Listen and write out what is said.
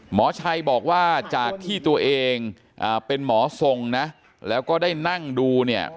หมอชัยบอกว่าจากที่ตัวเองเป็นหมอทรงนะแล้วก็ได้นั่งดูเนี่ย